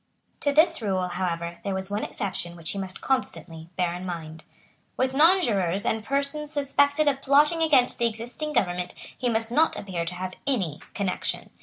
To this rule, however, there was one exception which he must constantly bear in mind. With nonjurors and persons suspected of plotting against the existing government he must not appear to have any connection.